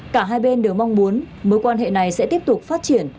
cả hai bên đều mong muốn mối quan hệ này sẽ tiếp tục phát triển